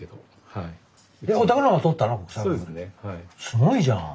すごいじゃん。